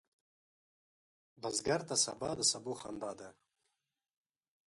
بزګر ته سبا د سبو خندا ده